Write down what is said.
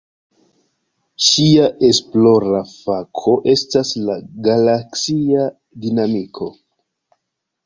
Ŝia esplora fako estas la galaksia dinamiko.